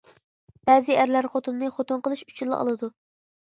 بەزى ئەرلەر خوتۇننى خوتۇن قىلىش ئۈچۈنلا ئالىدۇ.